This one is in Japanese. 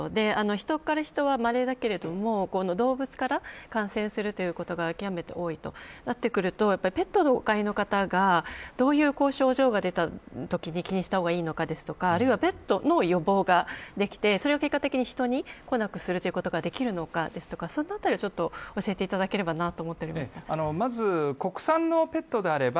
ヒトからヒトは、まれだけれども動物から感染するということが極めて多いということになってくると、ペットをお飼いの方がどういう症状が出たときに気にした方がいいのかですとかあるいは、ペットの予防ができてそれを結果的に人にこなくするということができるのかですとかそのあたりを教えていただければなと思います。